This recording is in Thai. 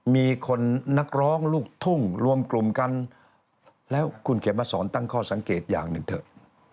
มีคนนักร้องลูกทุ่งรวมกลุ่มกันแล้วคุณเขียนมาสอนตั้งข้อสังเกตอย่างหนึ่งเถอะ